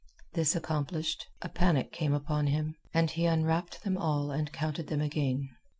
This accomplished, a panic came upon him, and he unwrapped them all and counted them again.